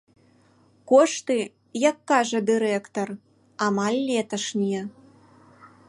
Кошты, як кажа дырэктар, амаль леташнія.